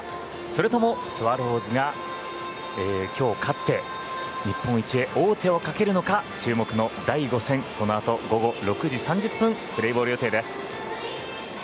それともスワローズが今日勝って日本一へ王手をかけるのか注目の第５戦このあと午後６時３０分プレーボール予定です。